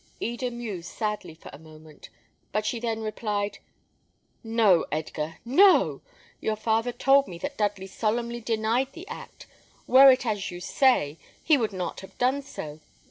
Eda mused sadly for a moment; but she then replied, "No, Edgar, no! Your father told me that Dudley solemnly denied the act. Were it as you say, he would not have done so.